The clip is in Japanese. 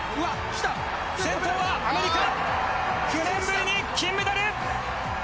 先頭はアメリカ９年ぶりに金メダル！